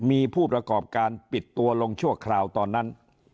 มีผู้ประกอบการปิดตัวลงชั่วคราวตอนนั้น